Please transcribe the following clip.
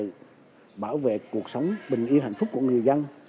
để bảo vệ cuộc sống bình yên hạnh phúc của người dân